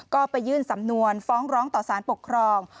ก็ไปยื่นสำนวนฟ้องร้องต่อสารปกครอง